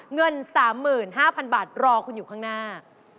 เงิน๓๕๐๐๐บาทรอคุณอยู่ข้างหน้า